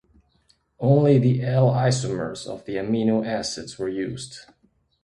Only the L-isomers of the amino acids were used.